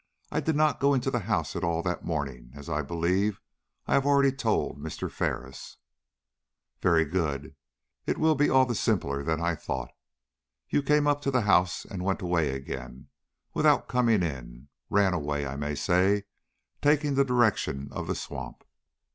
I did not go into the house at all that morning, as I believe I have already told Mr. Ferris." "Very good! It will all be simpler than I thought. You came up to the house and went away again without coming in; ran away, I may say, taking the direction of the swamp."